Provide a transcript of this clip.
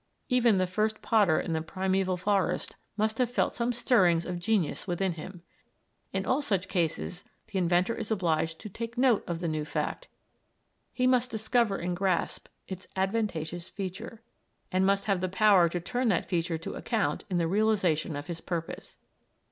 Even the first potter in the primeval forest must have felt some stirrings of genius within him. In all such cases, the inventor is obliged to take note of the new fact, he must discover and grasp its advantageous feature, and must have the power to turn that feature to account in the realisation of his purpose.